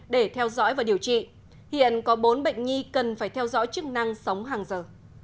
để theo dõi và điều trị hiện có bốn bệnh nhi cần phải theo dõi chức năng sống hàng giờ